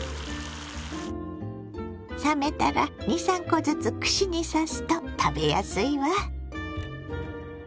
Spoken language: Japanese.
冷めたら２３コずつ串に刺すと食べやすいわ。